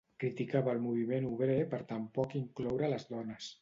Criticava el moviment obrer per tampoc incloure a les dones.